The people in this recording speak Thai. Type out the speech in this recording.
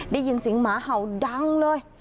ได้ยินเสียงหมาเห่าดังเลย